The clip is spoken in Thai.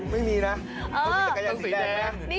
ไม่มีนะ